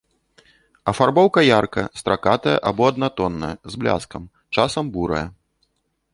Афарбоўка яркая, стракатая або аднатонная, з бляскам, часам бурая.